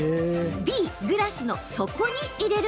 Ｂ・グラスの底に入れる。